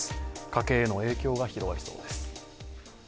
家計への影響が広がりそうです。